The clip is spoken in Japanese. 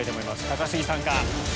高杉さんか？